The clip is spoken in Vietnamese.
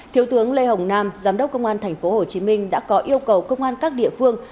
thiếu tướng lê hồng nam giám đốc công an tp hcm đã có yêu cầu công an các địa phương